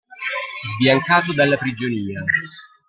Sbiancato dalla prigionia.